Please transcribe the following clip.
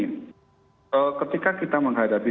ee ketika kita menghadapi